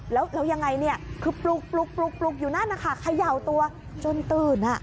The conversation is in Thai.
แล้วยังไงคือปลุกอยู่นั่นขย่าวตัวจนตื่น